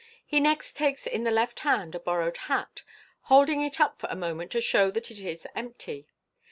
He next takes in the left hand a borrowed hat, holding it up for a moment, to show that it is empty.